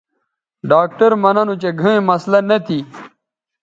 ڈاکٹر مہ ننو چہ گھئیں مسلہ نہ تھی